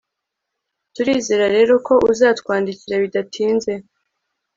Turizera rero ko uzatwandikira bidatinze